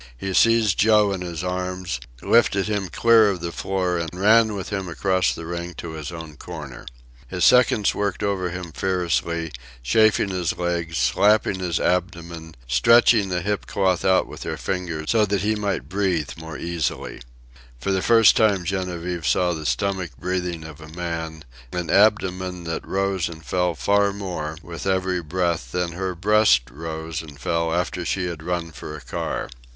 He seized Joe in his arms, lifted him clear of the floor, and ran with him across the ring to his own corner. His seconds worked over him furiously, chafing his legs, slapping his abdomen, stretching the hip cloth out with their fingers so that he might breathe more easily. For the first time Genevieve saw the stomach breathing of a man, an abdomen that rose and fell far more with every breath than her breast rose and fell after she had run for a car.